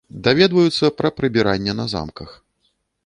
Даведваюцца пра прыбіранне на замках.